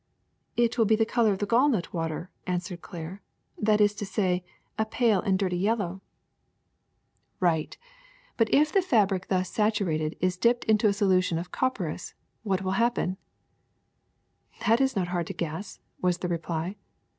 '' ^'It will be the color of the gallnut water," answered Claire; ^'that is to say, a pale and dirty yellow. '' 68 THE SECRET OF EVERYDAY THINGS Right; but if the fabric thus saturated is dipped into a solution of copperas, what will happen f ^^ That is not hard to guess, '' was the reply.